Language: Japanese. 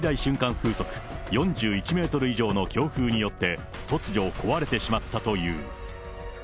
風速４１メートル以上の強風によって、突如、壊れてしまったという。